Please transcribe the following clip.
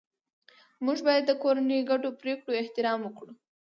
موږ باید د کورنۍ د ګډو پریکړو احترام وکړو